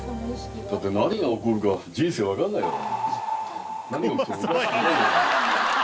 だって何が起こるか人生分かんないだろ。